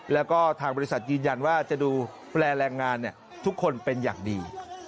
แล้วก็ทางบริษัทยืนยันว่าจะดูแลแรงงานทุกคนเป็นอย่างดี